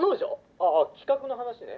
「あぁ企画の話ね」